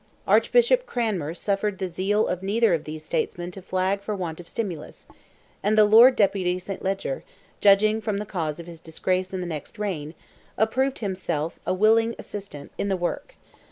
Archbishop Cranmer suffered the zeal of neither of these statesmen to flag for want of stimulus, and the Lord Deputy Saint Leger, judging from the cause of his disgrace in the next reign, approved himself a willing assistant in the work.